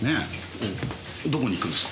どこに行くんですか？